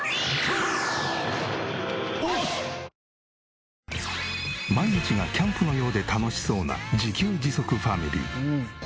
ダイハツ毎日がキャンプのようで楽しそうな自給自足ファミリー。